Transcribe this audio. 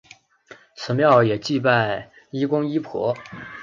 此庙也祭拜医公医婆。